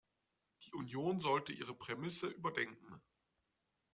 Die Union sollte ihre Prämisse überdenken.